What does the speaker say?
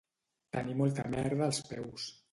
Tenir molta merda als peus